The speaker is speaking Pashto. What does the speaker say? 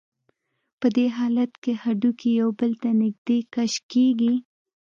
په دې حالت کې هډوکي یو بل ته نږدې کش کېږي.